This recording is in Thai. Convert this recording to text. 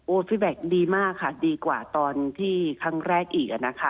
ฟิแบ็คดีมากค่ะดีกว่าตอนที่ครั้งแรกอีกอะนะคะ